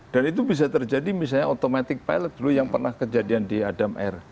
dan itu bisa terjadi misalnya automatic pilot dulu yang pernah kejadian di adam air